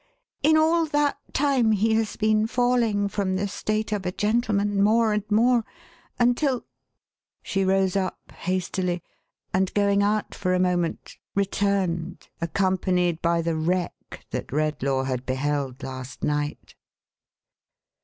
In all that time he has been falling from the state of a gentleman, more and more, until —" she rose up, hastily, and going out for a moment, returned, accompanied by the wreck that Hedlaw had beheld last night.